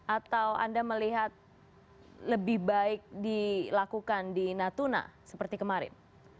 atau anda melihat lebih baik dilakukan di natuna seperti kemarin